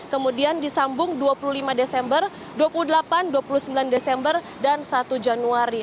kemudian disambung dua puluh lima desember dua puluh delapan dua puluh sembilan desember dan satu januari